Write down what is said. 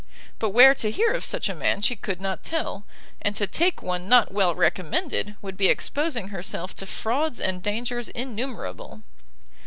But where to hear of such a man she could not tell, and to take one not well recommended, would be exposing herself to frauds and dangers innumerable.